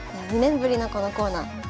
２年ぶりのこのコーナー。